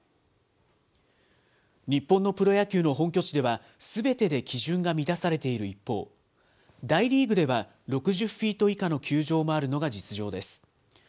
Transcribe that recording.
日本のプロ野球の本拠地では、すべてで基準が満たされている一方、大リーグでは６０フィート以下の球場もあるのが実情です。